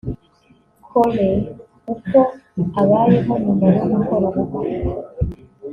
Cole uko abayeho nyuma yo gukora ubukwe